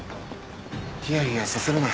ヒヤヒヤさせるな。